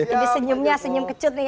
senyumnya senyum kecut nih